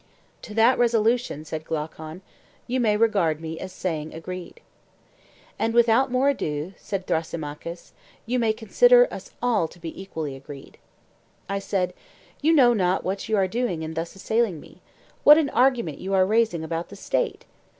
To that resolution, said Glaucon, you may regard me as saying Agreed. And without more ado, said Thrasymachus, you may consider us all to be equally agreed. I said, You know not what you are doing in thus assailing me: What an argument are you raising about the State!